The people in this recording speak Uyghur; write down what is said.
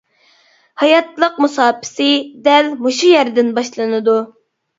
ھاياتلىق مۇساپىسى دەل مۇشۇ يەردىن باشلىنىدۇ.